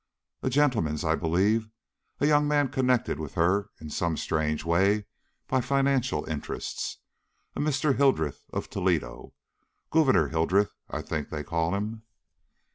"A gentleman's, I believe. A young man connected with her, in some strange way, by financial interests. A Mr. Hildreth, of Toledo Gouverneur Hildreth, I think they call him."